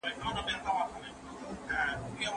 کانونه د طبیعي منابعو مهمه برخه ګڼل کېږي.